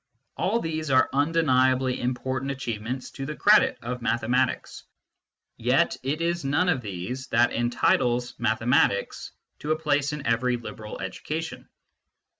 All these are undeniably important achievements to the credit of mathematics ; yet it is none of these that entitles mathematics to a place in every liberal education.